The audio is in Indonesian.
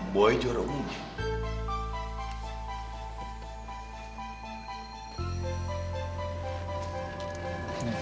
boy juara umumnya